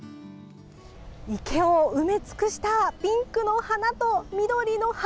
池を埋め尽くしたピンクの花と緑の葉。